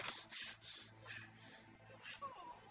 mau jadi kayak gini sih salah buat apa